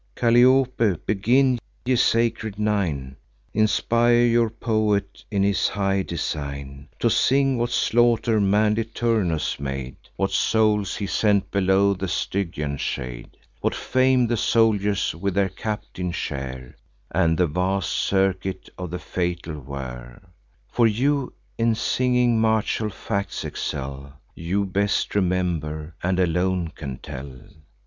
Calliope, begin! Ye sacred Nine, Inspire your poet in his high design, To sing what slaughter manly Turnus made, What souls he sent below the Stygian shade, What fame the soldiers with their captain share, And the vast circuit of the fatal war; For you in singing martial facts excel; You best remember, and alone can tell.